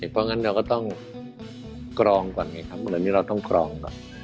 เพราะงั้นเราก็ต้องกรองก่อนไงครับเหมือนนี้เราต้องกรองก่อน